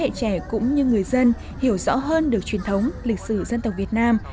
giáo dục cho thế hệ trẻ cũng như người dân hiểu rõ hơn được truyền thống lịch sử dân tộc việt nam